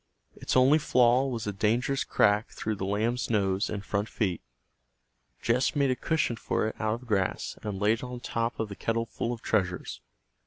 Its only flaw was a dangerous crack through the lamb's nose and front feet. Jess made a cushion for it out of grass and laid it on top of the kettle full of treasures.